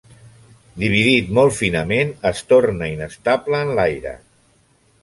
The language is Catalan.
Dividit molt finament es torna inestable en l'aire.